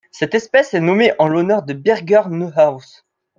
Cette espèce est nommée en l'honneur de Birger Neuhaus.